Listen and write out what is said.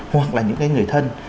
hoặc là những cái người thân